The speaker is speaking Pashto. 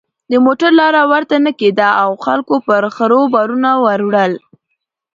د موټر لاره ورته نه کېده او خلکو پر خرو بارونه ور وړل.